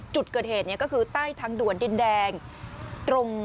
จุดเกิดเหตุเนี่ยก็คือใต้ทางด่วนดินแดงตรง